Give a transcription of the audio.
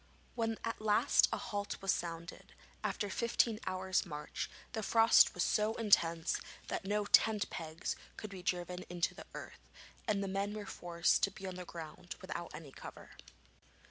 When at last a halt was sounded, after fifteen hours' march, the frost was so intense that no tent pegs could be driven into the earth, and the men were forced to be on the ground without any cover.